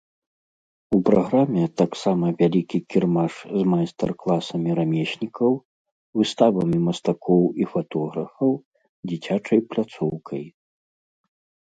У праграме таксама вялікі кірмаш з майстар-класамі рамеснікаў, выставамі мастакоў і фатографаў, дзіцячай пляцоўкай.